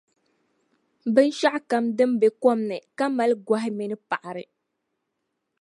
Binshɛɣukam din be kom ni ka mali gɔhi mini paɣiri.